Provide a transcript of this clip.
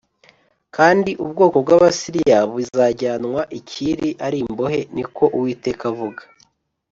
kandi ubwoko bw’Abasiriya buzajyanwa i Kiri ari imbohe.” Ni ko Uwiteka avuga.